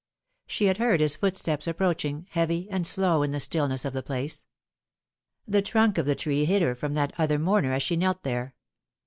She had heard his footsteps approaching, heavy and slow in the stillness of the place. The trunk of the tree hid her from that other mourner as she knelt there.